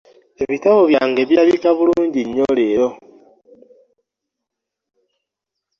Ebitabo byange biraka bulungi nnyo leero.